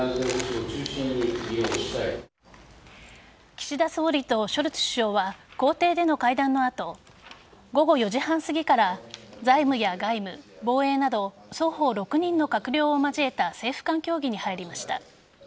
岸田総理とショルツ首相は公邸での会談の後午後４時半すぎから財務や外務、防衛など双方６人の閣僚を交えた政府間協議に入りました。